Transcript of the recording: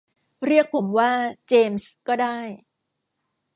เรียกผมว่า เจมส์ ก็ได้